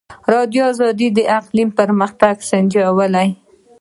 ازادي راډیو د اقلیم پرمختګ سنجولی.